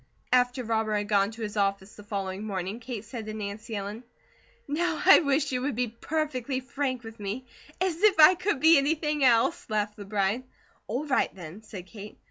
After Robert had gone to his office the following morning, Kate said to Nancy Ellen: "Now I wish you would be perfectly frank with me " "As if I could be anything else!" laughed the bride. "All right, then," said Kate.